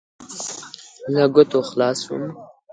له ګوتو خلاص شوم.